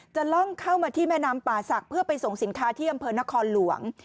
ล่องเข้ามาที่แม่น้ำป่าศักดิ์เพื่อไปส่งสินค้าที่อำเภอนครหลวง